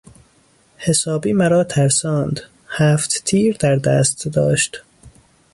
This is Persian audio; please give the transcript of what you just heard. حسابی مرا ترساند، هفت تیر در دست داشت!